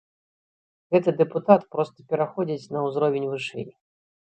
Гэты дэпутат проста пераходзіць на ўзровень вышэй.